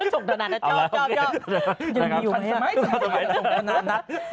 ส่งธนาณัฐชอบยังมีอยู่ไหม